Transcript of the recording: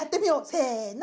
せの！